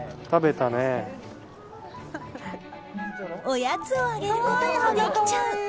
おやつをあげることもできちゃう。